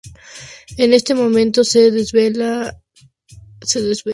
En este momento se desvela que Vladimir es el padre de Dimitri.